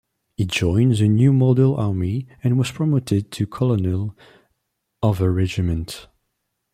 He joined the New Model Army and was promoted to Colonel of a regiment.